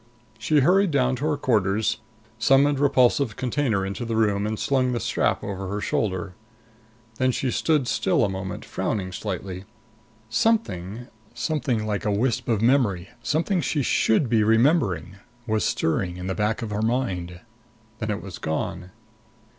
She hurried down to her quarters, summoned Repulsive's container into the room and slung the strap over her shoulder. Then she stood still a moment, frowning slightly. Something something like a wisp of memory, something she should be remembering was stirring in the back of her mind. Then it was gone.